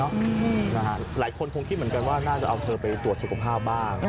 หลายคนคงคิดเหมือนกันว่าน่าจะเอาเธอไปตรวจสุขภาพบ้าง